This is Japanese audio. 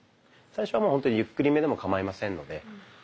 最初はもう本当にゆっくりめでもかまいませんので。